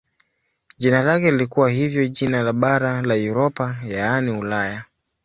Jina lake lilikuwa hivyo jina la bara la Europa yaani Ulaya.